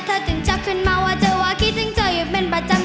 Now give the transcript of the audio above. ถึงจับขึ้นมาว่าเจอว่าคิดถึงเธออยู่เป็นประจำ